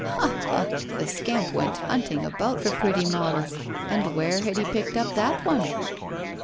Ha! ha! the scamp went hunting about for pretty models. And where had he picked up that one?